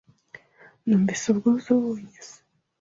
Nunvise ubwuzu bunyesa